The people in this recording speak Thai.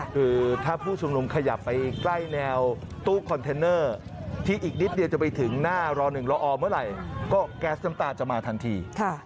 คือถ้าผู้ชุมนุมขยับไปใกล้แนวตู้คอนเทนเนอร์ที่อีกนิดเดียวจะไปถึงหน้ารอ๑รอเมื่อไหร่ก็แก๊สน้ำตาจะมาทันที